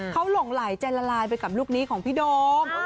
เขาหลงไหลใจละลายไปกับลูกนี้ของพี่โดม